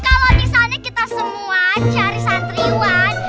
kalau misalnya kita semua cari santriwan